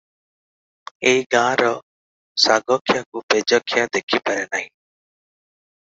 ଏ ଗାଁର ଶାଗଖିଆକୁ ପେଜଖିଆ ଦେଖିପାରେ ନାହିଁ ।